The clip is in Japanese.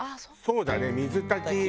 そうだね水炊き。